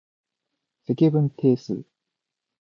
積分定数